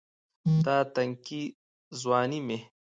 دا تنکے ځواني مې